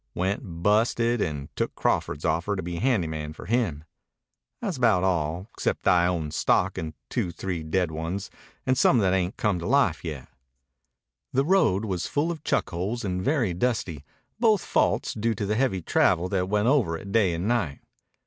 Went busted and took Crawford's offer to be handy man for him. Tha's about all, except that I own stock in two three dead ones and some that ain't come to life yet." The road was full of chuck holes and very dusty, both faults due to the heavy travel that went over it day and night.